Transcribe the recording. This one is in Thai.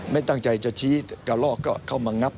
ไม่ตั้งใจจะชี้กระลอกก็เข้ามางับ